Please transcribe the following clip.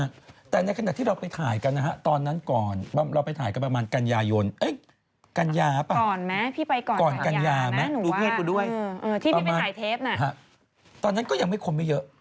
ก่อนมั้ยพี่ไปก่อนกัญญานะหนูว่าเออที่พี่ไปถ่ายเทปน่ะตอนนั้นก็ยังไม่คมไม่เยอะ